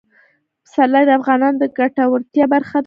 پسرلی د افغانانو د ګټورتیا برخه ده.